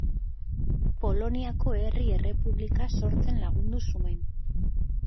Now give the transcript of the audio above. Poloniako Herri Errepublika sortzen lagundu zuen.